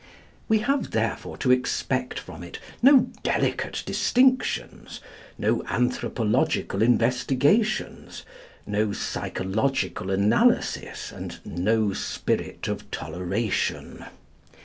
We have therefore to expect from it no delicate distinctions, no anthropological investigations, no psychological analysis, and no spirit of toleration.